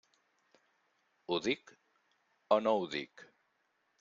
Ho dic o no ho dic?